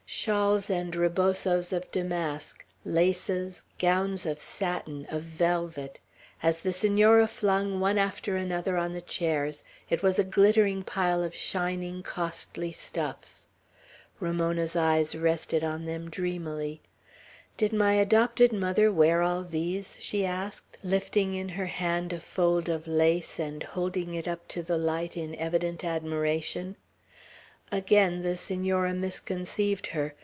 Shawls and ribosos of damask, laces, gowns of satin, of velvet. As the Senora flung one after another on the chairs, it was a glittering pile of shining, costly stuffs. Ramona's eyes rested on them dreamily. "Did my adopted mother wear all these?" she asked, lifting in her hand a fold of lace, and holding it up to the light, in evident admiration. Again the Senora misconceived her.